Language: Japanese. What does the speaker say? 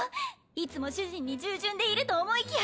いつも主人に従順でいると思いきや